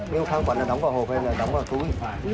nếu kháng khoản nó đóng vào hộp hay nó đóng vào túi thì phải